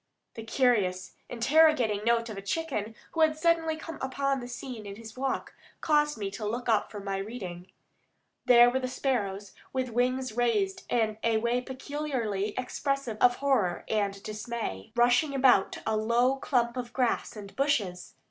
The curious, interrogating note of a chicken who had suddenly come upon the scene in his walk caused me to look up from my reading. There were the sparrows, with wings raised in a way peculiarly expressive of horror and dismay, rushing about a low clump of grass and bushes.